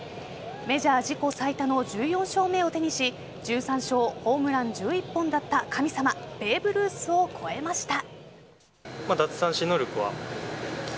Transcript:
メジャー自己最多の１４勝目を手にし１３勝ホームラン１１本だった神様ベーブ・ルースを超えました。